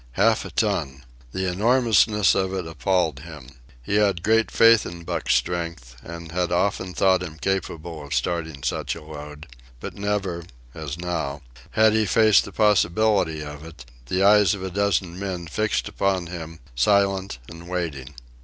Half a ton! The enormousness of it appalled him. He had great faith in Buck's strength and had often thought him capable of starting such a load; but never, as now, had he faced the possibility of it, the eyes of a dozen men fixed upon him, silent and waiting.